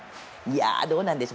どうなんでしょう。